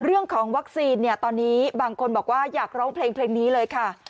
เรื่องของวัคซีนเนี่ยตอนนี้บางคนบอกว่าอยากร้องเพลงนี้เลยค่ะ